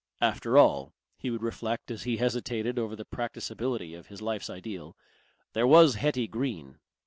"After all," he would reflect as he hesitated over the practicability of his life's ideal, "there was Hetty Green."